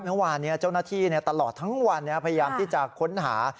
เมื่อวานนี้เจ้าหน้าที่ตลอดทั้งวันพยายามที่จะค้นหา